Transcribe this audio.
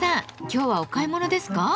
今日はお買い物ですか？